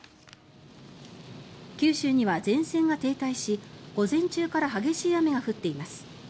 九州には前線が停滞し午前中から激しい雨が降っています。